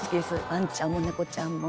ワンちゃんも猫ちゃんも。